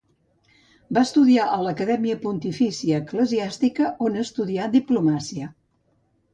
Va estudiar a l'Acadèmia Pontifícia Eclesiàstica, on estudià diplomàcia.